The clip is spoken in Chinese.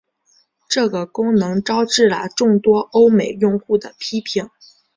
这个功能招致了众多欧美用户的批评。